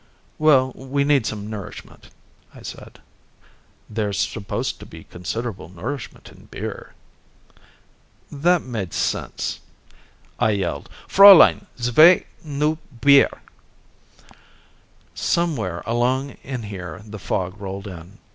"Well, we need some nourishment," I said. "There's supposed to be considerable nourishment in beer." That made sense. I yelled, "Fräulein! Zwei neu bier!" Somewhere along in here the fog rolled in.